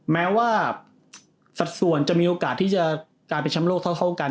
แม้ว่าสัดส่วนจะมีโอกาสที่จะกลายเป็นแชมป์โลกเท่ากัน